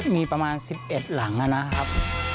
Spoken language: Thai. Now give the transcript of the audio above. มีประมาณ๑๑หลังนะครับ